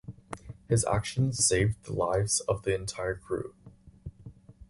His actions saved the lives of the entire crew.